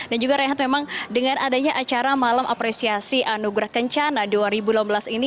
dan juga rehat memang dengan adanya acara malam apresiasi anugerah kencana dua ribu enam belas ini